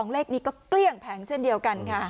เลขนี้ก็เกลี้ยงแผงเช่นเดียวกันค่ะ